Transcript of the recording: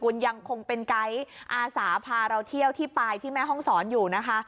คุณยังคงเป็นไกด์อาสาพาเราเที่ยวที่ปลายที่แม่ห้องศรอยู่นะคะ